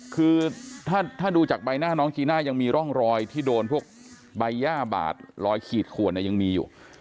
คือถ้าดูจากใบหน้าน้องจีน่ายังมีร่องรอยที่โดนพวกใบย่าบาดรอยขีดขวนยังมีอยู่